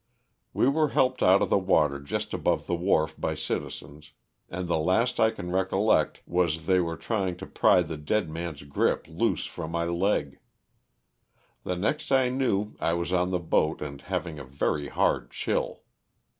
We were helped out of the water just above the wharf by citizens, and the last I can recollect was they were trying to pry the dead man's grip loose from my leg. The next I knew I was on the boat and having a very hard chill.